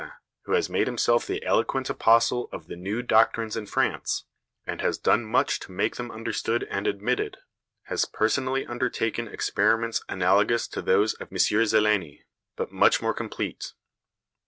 Langevin, who has made himself the eloquent apostle of the new doctrines in France, and has done much to make them understood and admitted, has personally undertaken experiments analogous to those of M. Zeleny, but much more complete.